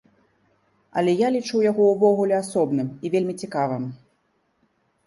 Але я лічу яго ўвогуле асобным і вельмі цікавым.